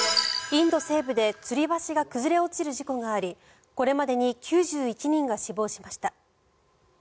インド西部でつり橋が崩れ落ちる事故がありこれまでに９１人が死亡しました。